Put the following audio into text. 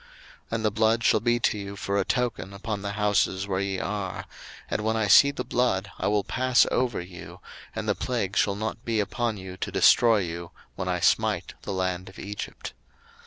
02:012:013 And the blood shall be to you for a token upon the houses where ye are: and when I see the blood, I will pass over you, and the plague shall not be upon you to destroy you, when I smite the land of Egypt.